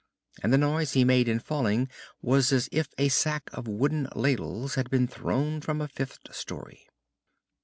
And the noise he made in falling was as if a sack of wooden ladles had been thrown from a fifth story.